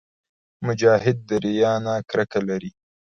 مجاهد د ریا نه کرکه لري.